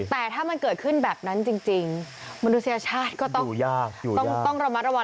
แต่ถ้ามันเกิดขึ้นแบบนั้นจริงมนุษยชาติก็ต้องระมัดระวัง